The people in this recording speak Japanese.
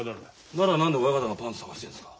なら何で親方がパンツ探してるんですか？